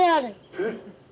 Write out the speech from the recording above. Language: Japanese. えっ！